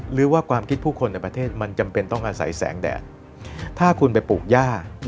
หรือว่าความคิดผู้คนในประเทศมันจำเป็นต้องอาศัยแสงแดดถ้าคุณไปปลูกย่า